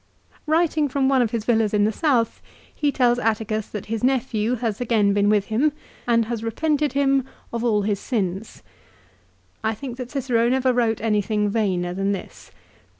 Writing from one of his villas in the south he tells Atticus that his nephew has again been with him, and has repented him of all his sins. I think that Cicero never wrote any thing vainer than this.